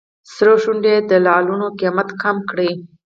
سرو شونډو یې د لعلونو قیمت کم کړ.